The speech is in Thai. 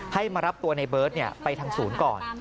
ให้มารับตัวในเบิร์ตไปทางศูนย์ก่อน